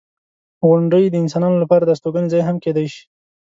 • غونډۍ د انسانانو لپاره د استوګنې ځای هم کیدای شي.